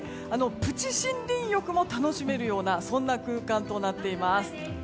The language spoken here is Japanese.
プチ森林浴も楽しめるようなそんな空間となっています。